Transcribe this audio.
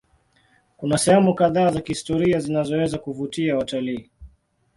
Kuna sehemu kadhaa za kihistoria zinazoweza kuvutia watalii.